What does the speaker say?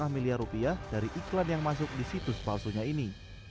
lima miliar rupiah dari iklan yang masuk di situs palsunya ini